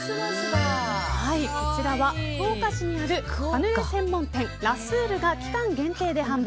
こちらは福岡市にあるカヌレ専門店ラ・スールが期間限定で販売